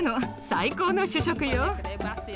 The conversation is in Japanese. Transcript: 最高の主食よ。